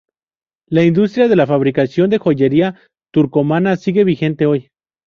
La industria de la fabricación de joyería turcomana sigue vigente hoy.